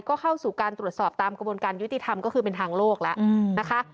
ก็เข้าสู่การตรวจสอบตามกระบวนการยุติธรรมก็คือเป็นทางโลกแล้วนะคะ